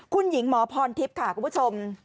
คุณหญิงหมอพรทิพย์ค่ะคุณผู้ชม